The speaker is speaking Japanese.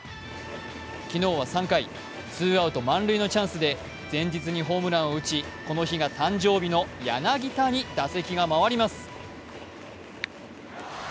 昨日は３回、ツーアウト満塁のチャンスで前日にホームランを打ちこの日が誕生日の柳田に打席が回ります。